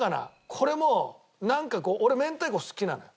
これもなんかこう俺明太子好きなのよ。